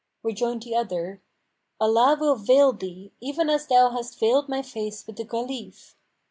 Rejoined the other, "Allah will veil[FN#484] thee, even as thou hast veiled my face with the Caliph!"